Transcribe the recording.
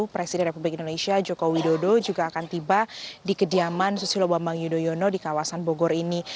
presiden republik indonesia joko widodo juga akan tiba di kediaman susilo bambang yudhoyono di kawasan bogor ini